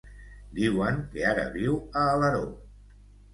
Diuen que ara viu a Alaró.